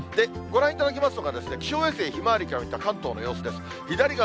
ご覧いただきますのが、気象衛星ひまわりから見た関東の様子です。